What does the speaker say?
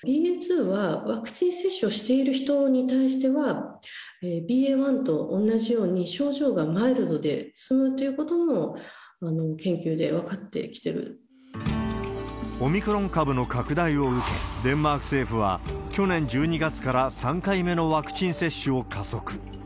ＢＡ．２はワクチン接種をしている人に対しては、ＢＡ．１と同じように症状がマイルドで済むということも研究で分オミクロン株の拡大を受け、デンマーク政府は、去年１２月から３回目のワクチン接種を加速。